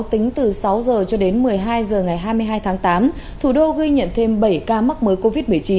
tính từ sáu h cho đến một mươi hai h ngày hai mươi hai tháng tám thủ đô ghi nhận thêm bảy ca mắc mới covid một mươi chín